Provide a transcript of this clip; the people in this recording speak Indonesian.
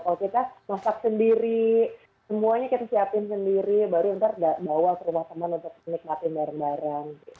kalau kita masak sendiri semuanya kita siapin sendiri baru nanti bawa ke rumah teman untuk menikmati bareng bareng